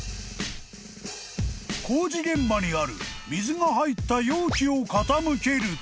［工事現場にある水が入った容器を傾けると］